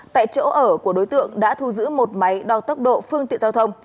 tại chỗ ở của đối tượng đã thu giữ một máy đo tốc độ phương tiện giao thông